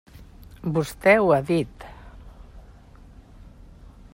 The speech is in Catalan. Vostè ho ha dit.